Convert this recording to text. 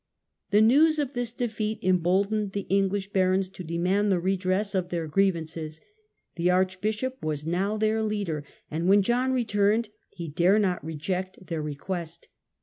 The news of this defeat emboldened the English barons to demand the redress of their grievances. The arch bishop was now their leader, and when John returned he dared not reject their request.